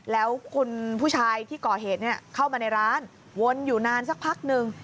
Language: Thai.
แล้วคุณผู้ชายที่ก่อเหตุเข้ามาในร้านวนอยู่นานสักพักหนึ่ง